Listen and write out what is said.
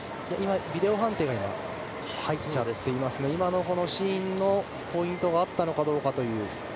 ビデオ判定が入っていますけども今のシーンのポイントがあったのかどうかという。